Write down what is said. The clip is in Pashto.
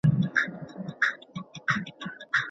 که موضوع په زړه پوري نه وي نو پام نه ساتل کیږي.